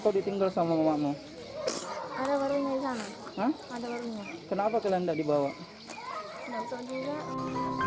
ketika mereka berada di rumah mereka berada di rumah